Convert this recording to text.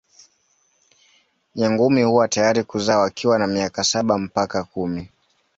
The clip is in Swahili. Nyangumi huwa tayari kuzaa wakiwa na miaka saba mpaka kumi.